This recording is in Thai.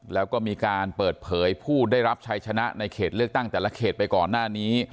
แล้วก็มีการเปิดเผยผู้ได้รับชัยชนะในเขตเลือกตั้งแต่ละเขตไปก่อนหน้านี้